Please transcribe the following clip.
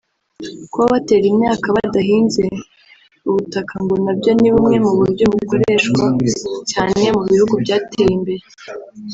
Kuba batera imyaka badahinze ubutaka ngo na byo ni bumwe mu buryo bukoreshwa cyane mu bihugu byateye imbere